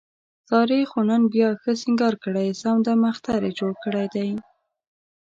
سارې خو نن بیا ښه سینګار کړی، سم دمم اختر یې جوړ کړی دی.